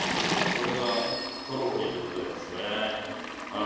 これがトロフィーでございますね。